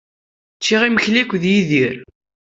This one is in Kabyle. Ččiɣ imekli akked Yidir.